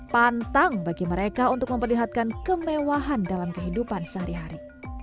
pantang bagi mereka untuk memperlihatkan kemewahan dalam kehidupan sehari hari